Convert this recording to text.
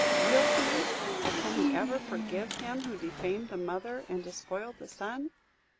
Will he or can he ever forgive him who defamed the mother and despoiled the son?"